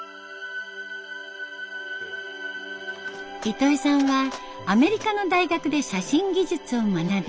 糸井さんはアメリカの大学で写真技術を学び